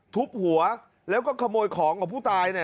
ทุบหัวแล้วก็ขโมยของของผู้ตายเนี่ย